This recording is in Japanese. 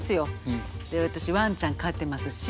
私わんちゃん飼ってますし。